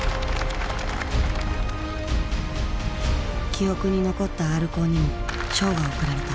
記憶に残ったＲコーにも賞が贈られた。